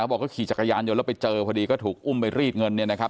บอกก็ขี่จักรยานยนต์แล้วไปเจอพอดีก็ถูกอุ้มไปรีดเงินเนี่ยนะครับ